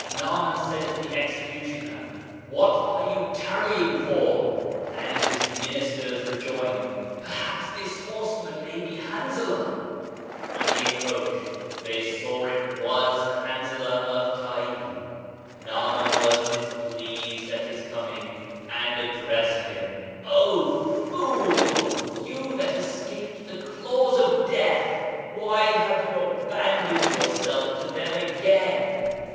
Naaman said to the executioner: "What are you tarrying for?" And his ministers re joined : "Perhaps this horseman may be Hanza lah I" When he approached they saw it was Han zalah of Taey. Naaman was displeased at his coming and addressed him: '*0 fool) you that escaped the claws of death, why have you aban doned yourself to them again?"